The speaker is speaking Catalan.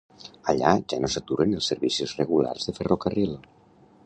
Allà ja no s'aturen els servicis regulars de ferrocarril.